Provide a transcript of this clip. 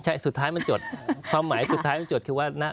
ใช่สุดท้ายมันจดความหมายสุดท้ายมันจดคือว่านะ